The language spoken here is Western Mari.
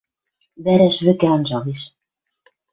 Вӓрӓш вӹкӹ анжалеш